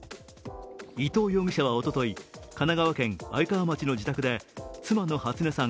伊藤容疑者はおととい、神奈川県愛川町の自宅で妻の初音さん